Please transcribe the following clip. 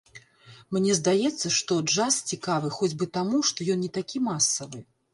Мне здаецца, што джаз цікавы хоць бы таму, што ён не такі масавы.